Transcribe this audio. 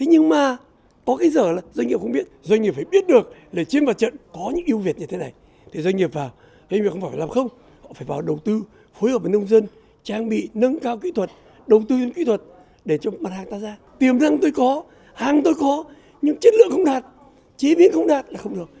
hàng tôi có nhưng chất lượng không đạt chế biến không đạt là không được